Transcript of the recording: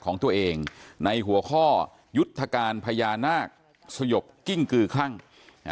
ของตัวเองในหัวข้อยุทธการพญานาคสยบกิ้งกือคลั่ง